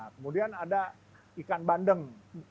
kemudian ada ikan bandeng